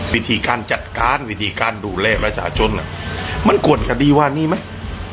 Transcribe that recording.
วิธีการจัดการวิธีการดูแลประชาชนมันกวนคดีว่านี้ไหม